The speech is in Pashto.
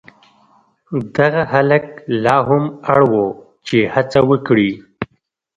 دغه هلک لا هم اړ و چې هڅه وکړي.